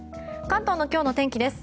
関東の今日の天気です。